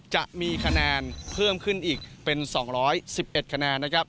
จะมีคะแนนเพิ่มขึ้นอีกเป็น๒๑๑คะแนนนะครับ